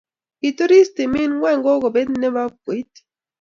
Kituris timit ng'wang kokombet ne bo mkoit.